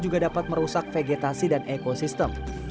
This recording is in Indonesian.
juga dapat merusak vegetasi dan ekosistem